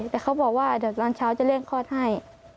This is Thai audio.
แต่เขาบอกว่าเดี๋ยวตอนเช้าจะเร่งคลอดให้